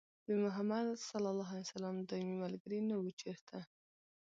بې محمده ص دايمي ملګري نه وو چېرته